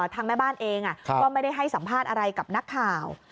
ทางแม่บ้านเองก็ไม่ได้ให้สัมภาษณ์อะไรกับนักข่าว